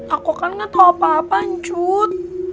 aku kan nggak tahu apa apa ancut